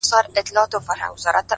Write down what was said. داسي محراب غواړم؛ داسي محراب راکه؛